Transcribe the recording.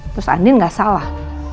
terus andin gak salah